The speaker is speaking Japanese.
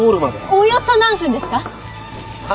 およそ何分ですか？